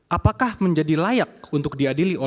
apakah menjadi layak untuk diadili